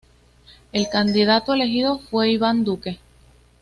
El candidato elegido fue Iván Duque.